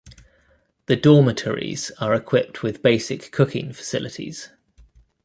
The dormitories are equipped with basic cooking facilities.